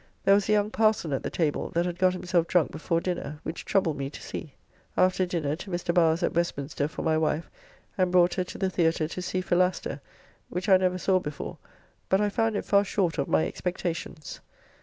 There was a young Parson at the table that had got himself drunk before dinner, which troubled me to see. After dinner to Mr. Bowers at Westminster for my wife, and brought her to the Theatre to see "Philaster," which I never saw before, but I found it far short of my expectations.